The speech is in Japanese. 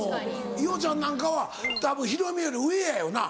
伊代ちゃんなんかはたぶんヒロミより上やよな。